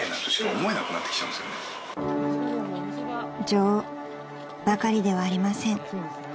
［情ばかりではありません］